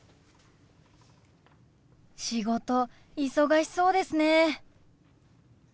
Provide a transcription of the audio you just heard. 仕事忙しそうですね。